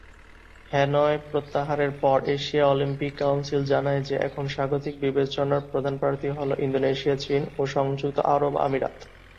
Hanoi প্রত্যাহারের পর, Asia Olympic council জানায় যে, এখন স্বাগতিক বিবেচনার প্রধান প্রার্থী হল ইন্দোনেশিয়া, চীন ও সংযুক্ত আরব আমিরাত।